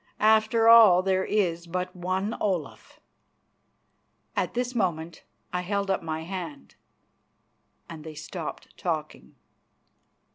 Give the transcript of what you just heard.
After all there is but one Olaf." At this moment I held up my hand, and they stopped talking.